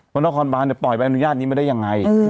เพราะนครบานปล่อยใบอนุญาตนี้มาได้ยังไง